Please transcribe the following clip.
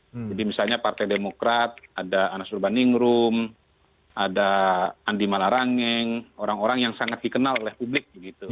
jadi misalnya partai demokrat ada anasur baningrum ada andi malarangeng orang orang yang sangat dikenal oleh publik